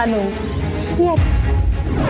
ไม่เหนื่อยค่ะนุ้ว